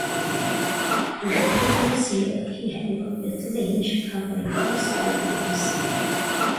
The previous year, he had worked with Lynch covering high school games.